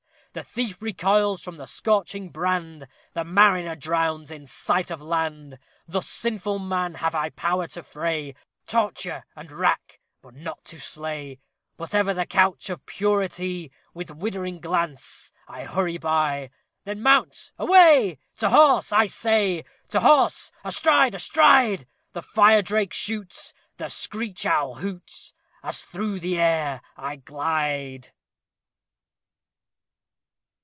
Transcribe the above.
The thief recoils from the scorching brand; The mariner drowns in sight of land! Thus sinful man have I power to fray, Torture, and rack, but not to slay! But ever the couch of purity, With shuddering glance, I hurry by. _Then mount! away! To horse! I say, To horse! astride! astride! The fire drake shoots The screech owl hoots As through the air I glide!